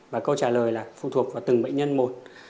và câu trả lời là phụ thuộc vào từng bệnh nhân một